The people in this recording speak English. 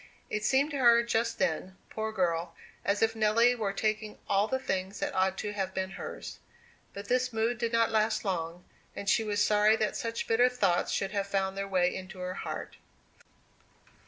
It seemed to her just then, poor girl, as if Nelly were taking all the things that ought to have been hers. But this mood did not last long, and she was sorry that such bitter thoughts should have found their way into her heart.